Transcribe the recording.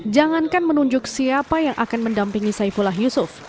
jangankan menunjuk siapa yang akan mendampingi saifullah yusuf